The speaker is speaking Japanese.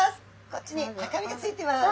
こっちに赤身がついてます。